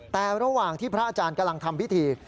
แต่ระหว่างที่พระอาจารย์กำลังทำพิธี